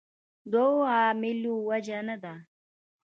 دوو عاملو وجه نه ده.